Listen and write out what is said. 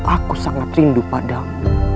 aku sangat rindu padamu